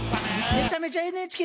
めちゃめちゃＮＨＫ